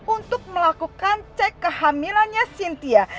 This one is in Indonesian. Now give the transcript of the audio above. untuk melakukan cek kehamilannya cynthia